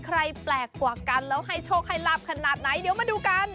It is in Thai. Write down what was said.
แปลกกว่ากันแล้วให้โชคให้ลาบขนาดไหนเดี๋ยวมาดูกัน